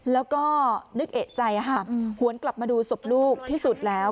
แล้วก็นึกเอกใจหวนกลับมาดูศพลูกที่สุดแล้ว